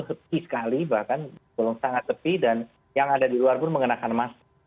hepi sekali bahkan belum sangat tepi dan yang ada di luar pun mengenakan mask